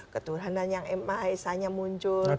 ketuhanan yang emahisanya muncul